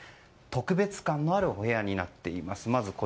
特別感のあるお部屋になっています。